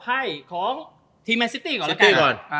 ให้ของทีมแมนซิตี้ก่อน